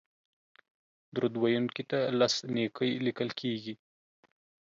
درود ویونکي ته لس نېکۍ لیکل کیږي